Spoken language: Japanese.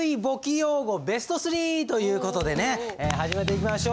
という事でね始めていきましょう。